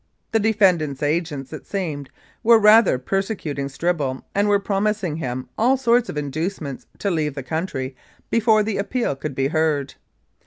The defendant's agents, it seemed, were rather persecuting Stribble, and were promising him all sorts of inducements to leave the country before the appeal could be heard.